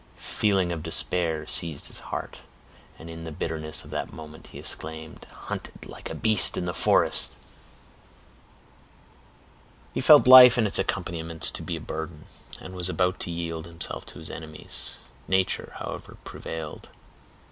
A feeling of despair seized his heart, and in the bitterness of that moment he exclaimed,— "Hunted like a beast of the forest!" He felt life and its accompaniments to be a burden, and was about to yield himself to his enemies. Nature, however, prevailed.